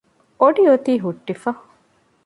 އޮޑި އޮތީ ހުއްޓިފަ